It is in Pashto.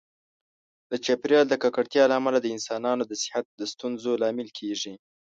د چاپیریال د ککړتیا له امله د انسانانو د صحت د ستونزو لامل کېږي.